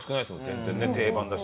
全然ね定番だし。